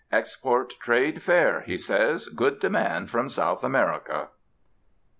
"Export trade fair," he says; "good demand from South America."